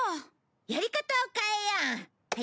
やり方を変えよう！